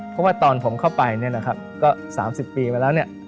เพราะว่าตอนผมเข้าไป๓๐ปีไปแล้ว